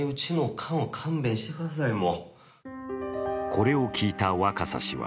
これを聞いた若狭氏は